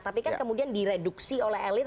tapi kan kemudian direduksi oleh elit